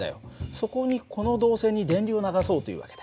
そこにこの導線に電流を流そうという訳だ。